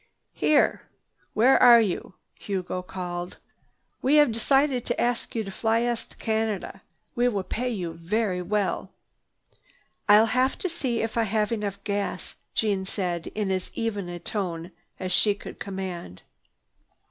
"Here! Where are you?" Hugo called. "We have decided to ask you to fly us to Canada. We will pay you very well." "I—I'll have to see if I have enough gas," Jeanne said in as even a tone as she could command.